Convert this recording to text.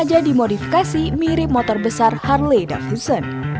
sengaja dimodifikasi mirip motor besar harley duffusen